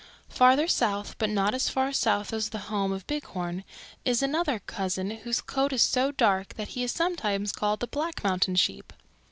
Farther south, but not as far south as the home of Bighorn, is another cousin whose coat is so dark that he is sometimes called the Black Mountain Sheep.